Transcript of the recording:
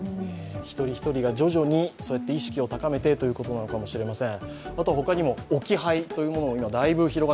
一人一人が徐々にそうやって意識を高めてということかもしれません。